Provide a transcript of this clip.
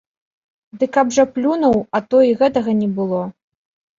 Ды каб жа плюнуў, а то і гэтага не было.